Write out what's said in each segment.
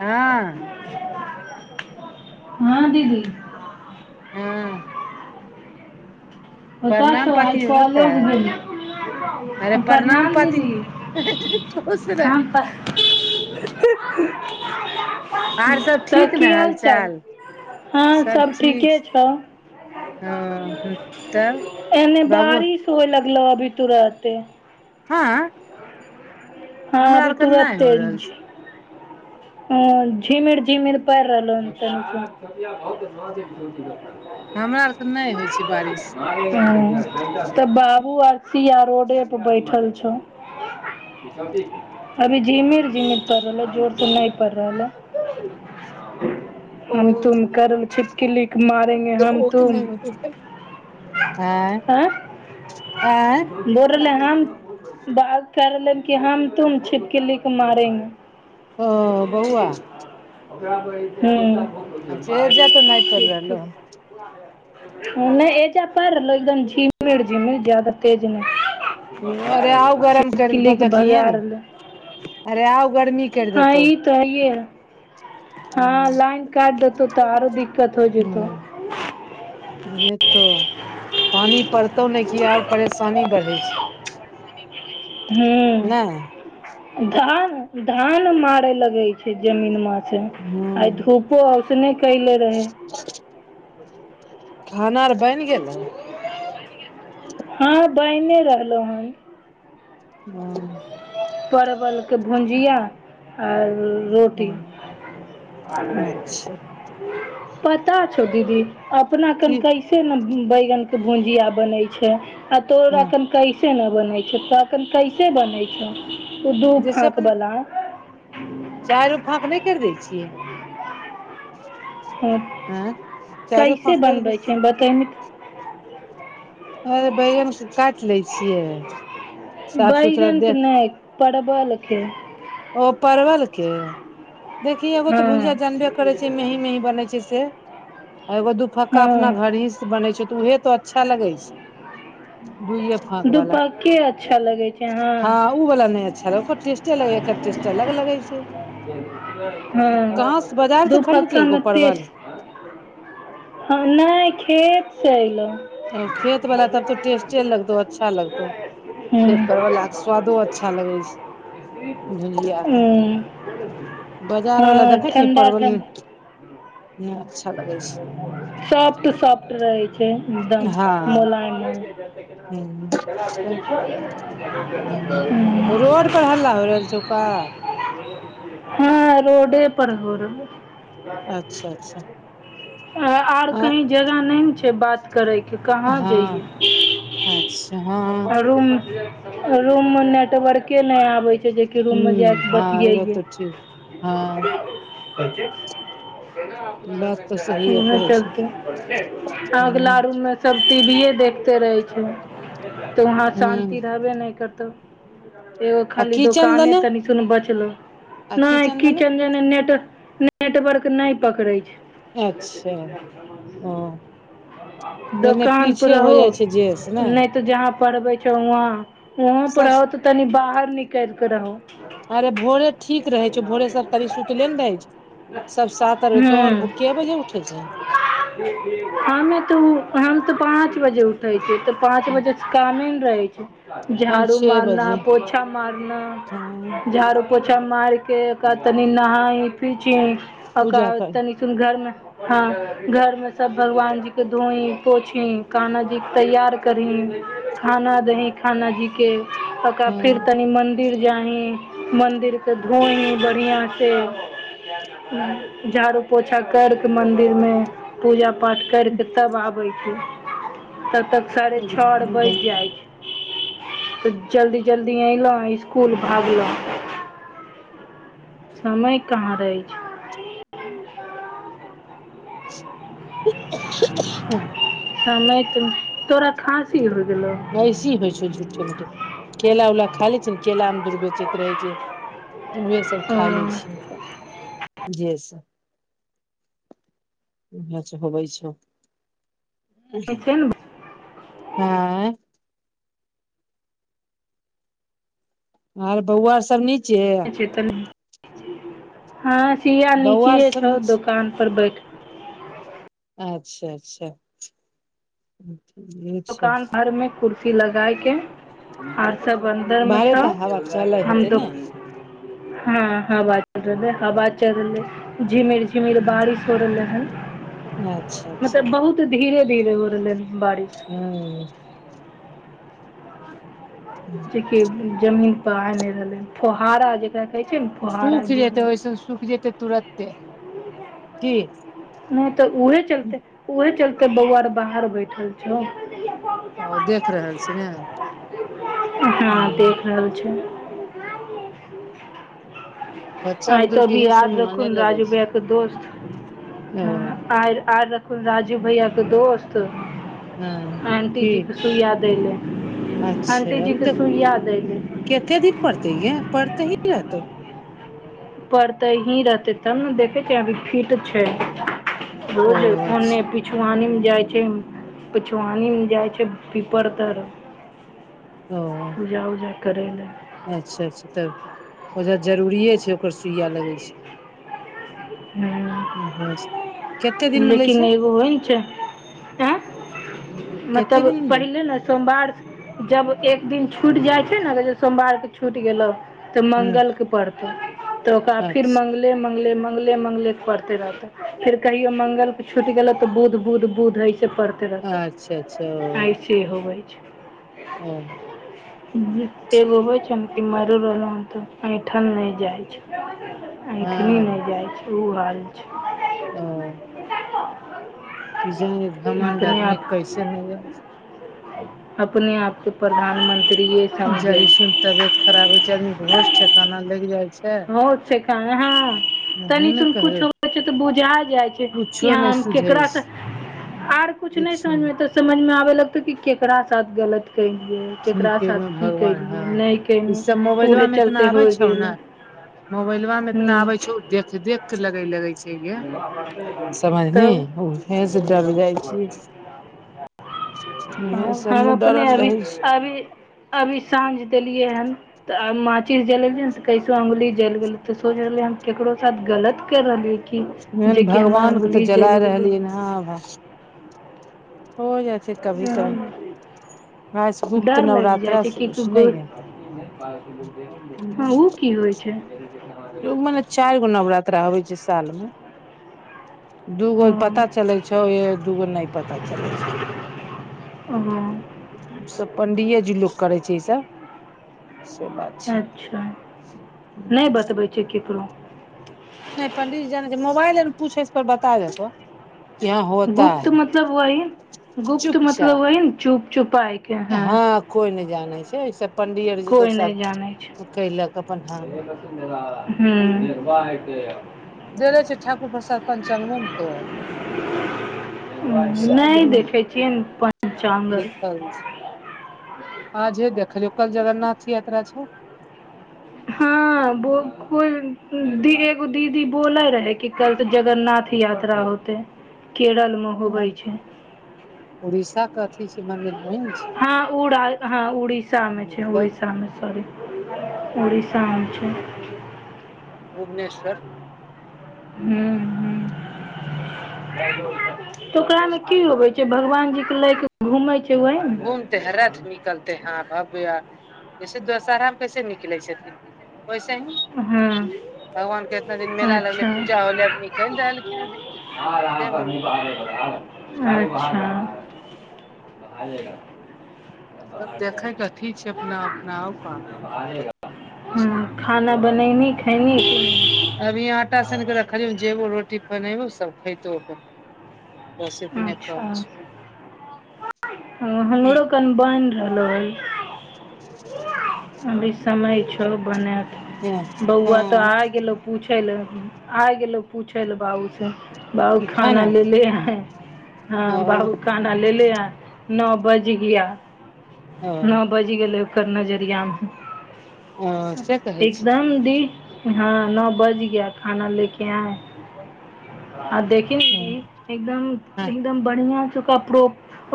हँ हँ दीदी हँ ओत प्रणाम सँ आइ पाती होतै कॉलेज गेली अरे प्रणाम पाती दीदी खुश रह हम प आर सभी तऽ ठीक ने की हाल चाल हालचाल हँ सभ सब ठीक ठीके छौ ह ह तब एने बाबू बारिश होय लगल अभी तुरते हँ हँ हमरा अभी आरके नहि हो तूरते रहल छै हँ झिमिर झिमिर परि रहलो हन तनि हमरा आरके नहि होइ छै। बारिश ह तऽ बाबू आर सिया रोडे पर बैठल छौ। अभी जिमिर जिमिर कर रहलै जोर त नहि रहल हम तुम कर छिटकी लि मारेंगे हम तुम आँय हँ आँय बोल रहले ह ब करले क हम तुम छिटक लि के मारेंगे ओ बौआ हु एजा तो नहि पड़ ठीक रहलो ह नहि ए जे परल एकदम ज जम जदा तेज हन। अरे आउ नहि गरम करि देतौ चिपकली के देखिहे ने भगार रह अरे आउ गरमी हँ ई तऽ हइय ह [unintelligible] हँ ह लाइन काटि देतौ तऽ आरो दिक्कत हो जेतौ नै तऽ पानी पड़तौ ने क ओर परेशानी बढ़ै छै नहि हुँ धान धान मारे लगे छै जमीन मे आइ हूँ धूपो आ से नहि कयले रहै ह [inaudible] खाना आर बनि गेलौ हँ बैने रहलहु हन हँ परवलके भुजिया आर रोटी हँ अच्छा पता छो दीदी अपना ठीक कनकाै से न बैगन के भुजिंया बनै छै आ तोरा हँ क कैसे न बनै छौ तखन कैसे बनै छौ ओ दू फाँकवला चार ओ फाँक नहि करि दै छियै हँ हँ चारो फांक कर दि बताैमे त अरे बैगन काटि लै छियै साफ सुथरा देख पड़बल कें ओ परवल के देखिय एगो तऽ हँ भुजिया जानबे करै छै मेहीं मेही बनै छै से आ एगो दु फक्का हँ अपना घर ही से बने छै उएह त अच्छा लगै दूऐ फाँक वला दुपक्के अच्छा लगै छै हँ हाँ ओ वाला नहि अच्छाकर टेस्टे लग एकर टेस्ट अलग लगै छै हँ कहाँ बाजार से खरीद ललौ दुपक्कामे क परवल ह नहि खेत से एलहु ओ खेत वाला तब तो टेस्टे लगतौ अच्छा लगतौ खेत हूँ परव स्वादो अच्छा लगै छै भुजिया के हुँ बाजार वला देखै छी परवल नहि अच्छा लगै छै सॉफ्ट सॉफ्ट रहै छै एकदम हँ मोलायमे ह हुँ रोड पर हल्ला हो रहल छौ का हँ रोडे पर होर अच्छा अच्छा आर अ कही जगह नहि ने छै बात करैके कहाँ हँ अच्छा हँ जइयौ रूम रूम मे नेटवर्के नहि आबे छै जे रूम मे जाइ क ह हँ ई बात बतियइए तऽ ठीक हँ बात तऽ सहिए कहै छै चलते ह अगला रूम मे सब टी वीे ये देखते रहै छ तऽ वहाँ ह शान्ति रहबे नहि करतौ एगो आ खाली किचन दूकाने दने तनी सुन बचलो आ नहि दने किचन नेट नेटवर्क नहि पकड़े छै पल क अच्छा छल ओ [inaudible] एने दोकानपर पीछे हो रहो जाइ छै जेस ने नहि त जहाँ पढ़बे छौ वहं वहं सब रहो त तनी बाहर निकल के रहो अरे भोरे ठीक रहै छै भोरे सब तनी सुतले ने रहै छै सब साात अरबे तो आर हूँ क बजे उठे छै हमे तऽ हम तऽ पाँच बजे उठै छी तऽ पाँच बजे कमेन रहै छै हम झाड़ू छे मारना बजे पोछा मारना हँ झाड़ू पोछा मार के ओकरा तनि नहाइ फी ओकरा पूजा कर तनी घर मे हँ घर में सब भगवान जी के धोई पोछीं काना जी तैयार करहीं खाना देही कना जीके ओकरा फेर हँ तनि मन्दिर जाही मन्दिरके धोइ बढ़िआँसँ ह झाड़ू पोछा करिके मन्दिरमे पूजा पाठ करिके तब आबै छै। तब तक साढ़े छओ आर बजी जाय छै। तऽ जल्दी जल्दी अयलहुँ स्कुल भागलहुँ समय कहाँ रहै छै। [inaudible] अहा अहा समय त तोरा खाँसी हो गेलौ? एहि तरहें होइ छै। झूठे मूठे केला वेला खा लै छै ने, केला मे दूर बेचैत रहै छै। उएहसभ ओ खा लै छियै तब जे सभ इएह होबै छौ छै आय आर बौआर सभ नीचे ने हँ चीया बौआ नीचे सब छौ। नीचे दोकान पर बैठ अच्छा अच्छा [unintelligible] दुकान भर में कुसी लगााक के आ सभ अन्दरमे बाहरे छौ तऽ हवा चलै हम हेतै दुक ने हँ हवा चल हवा चललै हवा चल रहलै झिमिर झिमिर हूं बारिश हो रहले हन अच्छा अच्छा मतलब बहुत धीरे धीरे हो रहले हन बारिश हू जेकि जमीन पर आने रहलै फोहारा जेकरा कहै छै ने फुहारा सुख गिर जेतै रहलै ओहिसन सुख जेतै तुरते की नहि तऽ उहे चलते उहे चलते बौआर बाहर बैठल छौ। ओ देख रहल छी। ने ह हाल छै। बच्चा आइ तो बुदरुक अभी इहे सब याद रखु मने ने लगै राजू छै भाय के दोस्त ओ आय आयल राजू भैयाक के दोस्त हँ आंटी की जीके सुइया दैले अच्छा आंटी जी अभी के तऽ सूइया दअ लै कते दिन पढ़तै ये। पढ़ते ही रहतौ परते ही रहते तब ने देखे छै। अभी फिट छै। ब ओ जे कोनने अच्छा पी पछआनी मे जाय छै। पछआनी मे जाय छै। पीपर तर ओ पूजा उजा करै लए अच्छा अच्छा, तऽ ओजाँ जरूरिए छै। ओकर सुइया लगै छै। लए हूँ [unintelligible] कतेक दिनमे लै छै। आँ कते दिन मतलब मे पहिले ने सोमवार जब एक दिन छुटि जाइ छै। ने सोमवारके छुटि गेलो तऽ हूँ मंगलेके पड़तै तऽ ओकरा फेर अच्छा मंगले मंगले मंगले मंगलेके पड़तै रहतै फेर कहियो मंगल के छुट गेलो तऽ बुध बुध बुध अयसे पड़त तरत अच्छा अच्छा ओ एहिसे होबै छै। ओ एगो होइ छ। ने माइरो रहलो त अयठल नहि जाय ऐठनी नहि हँ जाइ छै। ओ हाल छै ओ [unintelligible] घ्रमण्ड आदमी कैसे नहि औत अपना आपके प्रधानमंत्रीए जड़ी सुन तबियत खराब होय छै आदमी के होस ठेकाना लागि जाय छै हो छै हँ उहे तनि ने सुन कुछ कहलौ होइ छै तऽ बुझा जाइ छै कि कुछो ह नहि सुझै केकरासँ छै आर कुछ नहि समझमे तऽ समझमे आबै लगतै कि केकरा साथ गलत केलियै की केकरा केलौ साथ की भगवान केलियै हँ नहि ई सब केलिय उहे चलते होइ गेल मोबाइलबा मे एतना हूँ आबे छै ओ देख देख के लगे लगे छै हे गे समझनी तब उहे से डल जाइ छी उहे से हम हमहुँ अपने डरल अभी रहै छी अभी अभी साँझ देलियै हे त माचि जलेलियै तऽ कैसो अंगुली जल गेलै तऽ सोच रहलियै हम केकरो साथ गलत कै रहलियै कि मेन जेकि हमर भगवानके तऽ अंगुली जलि जलाय गेलै रहलियै हँ भाय हो जाइ छै कभी कभी रास गुप्त डर लागि जाइ नवरात्रा छै शुरू नै हँ ओ की होइ छै [inaudible] उमने चारि गो नवरात्रा होबे छै साल मे दूगो हँ पता चलै छौय दूगो नहि पता चलै छै ओ सब पंडिये जी लोक करै छै ई सब से बात छै ह जे केकरो नहि पंडित जी जानै छै मोबाइले ने पूछेस पर बता देतौ गुप्त मतलब ओइन गुप्त चुपचाप मतलब ओइन चुप चुपा हँ कोई नहि जानै छै सब पंडी आर जी कोइ लोक नहि साथ कइलक अपन हँ हुँ निर्भाह हतै जेल छै ठाकुर प्रसाद पञ्चाङंगमोमतो साइड नहि मे देखै छियै पञ्चागर लिखल छै आजे देखलौ कल जगन्नाथ यात्रा छै हँ छौ बकुल दि एगो दीदी बोले रहै कि कल तऽ जगन्नाथ यात्रा होते केरलमे होबै छै उड़ीसा के अथी छै मंदिर वहि छै हँ उ हँ उड़ीसा मे छै तब उड़सा मे सॉरी शाम छै भुवनेश्वर हुँ हुँ तऽ ओकरा मे की होबे छै भगवान जी के लै घुमै छै ओहमे घूमते रथ निकलते हां भव्य जैसे दोशहराामे कैसे निकलै छथिन वैसे ही हँ भगवान के इतना दिन मेला लगलै अच्छा पूजा होलै अब निकलि रहल दिन आरहाँ पर सब पे देखे के अथी छै [inaudible] अपना अपना आउ का अच्छा हुँ खाना बनैनी खयली अभी आटा सान कऽ रखलिय जेबो रोटी बनेबो सब खयतौ अपन बस एतने अच्छा काम छै हमरो कन बानहि रहलो हन अभी समय छ बनएत हँ [inaudible] बौआ तो आ गेलो पूछे ले आ गेलो पूछे ले बाबू स बाउ खाना ले ले या ओ हँ बाबू खाना लेलेे ह नओ बज गिया ओ नओ बज गेलय ओकर नजरििया मे ओ से कहै छै एकदम दी हँ नओ बज गय खाना लेके आए आ देखि नी एकदम एकदम बढ़िआ ओकरा प्रो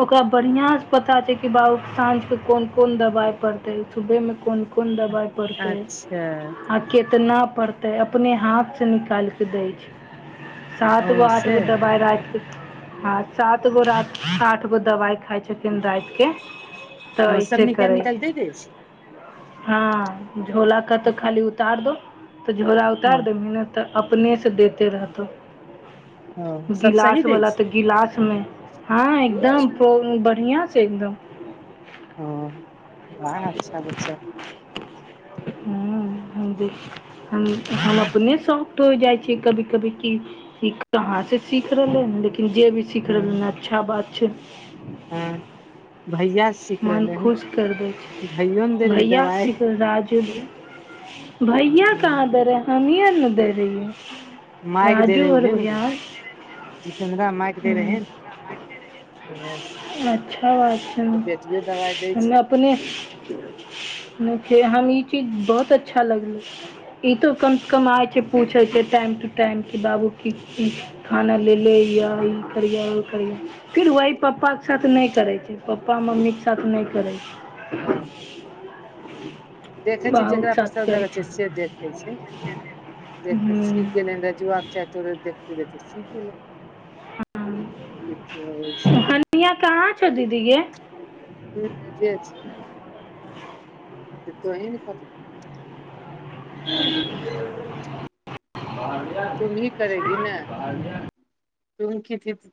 ओकरा बढ़िआँ सँ पता छै कि बाबू साँझके कोन कोन दवाइ पर तै सुबहमे कोन कोन दबाइ पड़तै अच्छा आ केतना पड़तै अपने हाथ सँ निकालिके दै छै सात गो ओ आठ से गो दबााय रातिके हँ सात गो राति आठ गो दबाइ खाइ छथिन रातिके तऽ ऐसे करै छै दे दे छै हँ झोला कहतो खाली उतार दो तऽ झोला उतार हँ द मेहनत त अपने से देते रहतो हँ सब सही गिलाश दै वला छै त गिलास मे हँ एकदम पो बढ़िआँ सँ एकदम ओह बाह अच्छा बच्चा हूँ बिल हम अपने शौकड हो जाइ छी कभी कभी की ई कहाँ सँ सीख रहलै हन लेकिन जे भी सीख हँ रहलै उ अच्छा बात छै हँ मन खुश करि दै छै हयो ने दै रहै भैया दवाइ शीक राज भैया कहाँ दे रहेै हमी आर ने दे रहिै माइक दे रहे ह है न जितेन्द्रा माइक दे रहे है अच्छा बात छै से बेटियो दवाइ दै छै हमरा अपने देखे हम ई चीज बहुत अच्छा लगे छै ई तो कम से कम आय छै पूछे छै टाइम टू टाइम की बाबू की खाना लेलै यए ई करियह ओ करियह फेर वही पप्पाके साथ नहि करै छै पप्पा मम्मीके साथ नहि करै छै हँ [inaudible] देखै छै बाबू जकरा के साथ पसन्द करै अबै छै से देखै छै छै देख हूँ सीख गेल र जो आ चाह तोर देखते देखते सीख गेले हनिया कहाँ छौ दीदी गे [unintelligible] एनि जे छै त तुही ने कहबी [unintelligible] तुम ही करेगी न तुम की थी